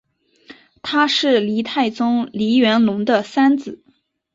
他是黎太宗黎元龙的三子。